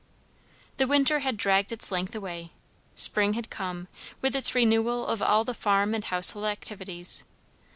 The winter had dragged its length away. Spring had come, with its renewal of all the farm and household activities.